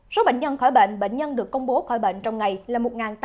số bệnh nhân khỏi bệnh bệnh nhân được công bố khỏi bệnh trong ngày là một tám trăm chín mươi bốn